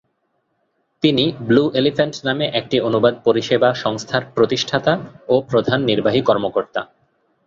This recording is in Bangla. তিনি ব্লু এলিফ্যান্ট নামে একটি অনুবাদ পরিষেবা সংস্থার প্রতিষ্ঠাতা ও প্রধান নির্বাহী কর্মকর্তা।